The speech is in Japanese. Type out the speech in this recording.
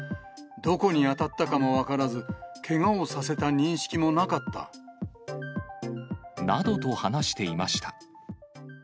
どこに当たったかも分からず、けがをさせた認識もなかった。などと話していました。